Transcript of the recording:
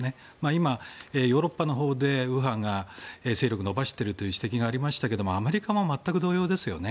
今、ヨーロッパのほうで右派が勢力を伸ばしているという指摘がありましたけどもアメリカも全く同様ですよね。